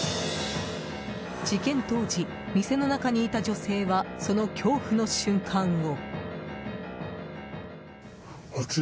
事件当時、店の中にいた女性はその恐怖の瞬間を。